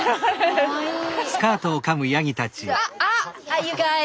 かわいい。